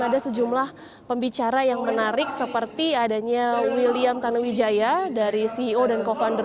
ada sejumlah pembicara yang menarik seperti adanya william tanuwijaya dari ceo dan co founder